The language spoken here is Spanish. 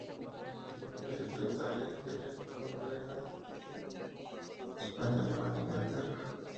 Visitó Italia, Argelia, Córcega, España, Alemania e Inglaterra.